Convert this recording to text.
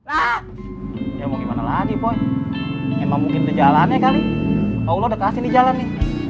ah ya mau gimana lagi boy emang mungkin ke jalannya kali kalau udah kasih jalan nih